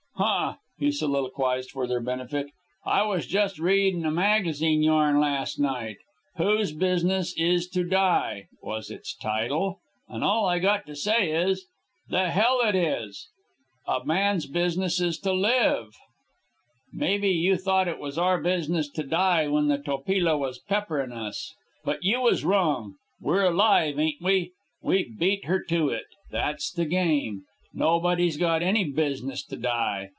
"Huh!" he soliloquized for their benefit. "I was just readin' a magazine yarn last night. 'Whose Business Is to Die,' was its title. An' all I got to say is, 'The hell it is.' A man's business is to live. Maybe you thought it was our business to die when the Topila was pepper in' us. But you was wrong. We're alive, ain't we? We beat her to it. That's the game. Nobody's got any business to die.